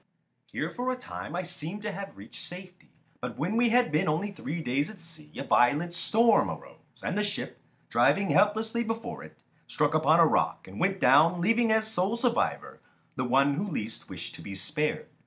] Here for a time I seemed to have reached safety, but when we had been only three days at sea a violent storm arose, and the ship, driving helplessly before it, struck upon a rock and went down leaving as sole survivor the one who least wished to be spared.